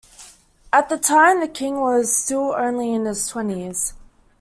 At the time, the king was still only in his twenties.